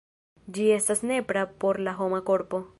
Ĝi estas nepra por la homa korpo.